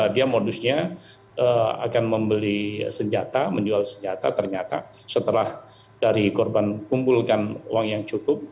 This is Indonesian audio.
dia modusnya akan membeli senjata menjual senjata ternyata setelah dari korban kumpulkan uang yang cukup